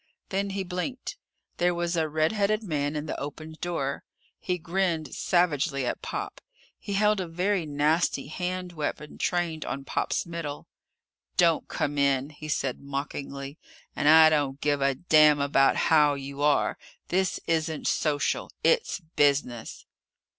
Then he blinked. There was a red headed man in the opened door. He grinned savagely at Pop. He held a very nasty hand weapon trained on Pop's middle. "Don't come in!" he said mockingly. "And I don't give a damn about how you are. This isn't social. It's business!"